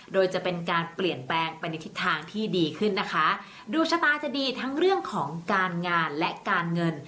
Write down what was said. โดยจะเป็นการเปลี่ยนแปลงไปในทิศทางที่ดีขึ้นนะคะดวงชะตาจะดีทั้งเรื่องของการงานและการเงิน